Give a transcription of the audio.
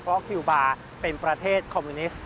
เพราะคิวบาร์เป็นประเทศคอมมิวนิสต์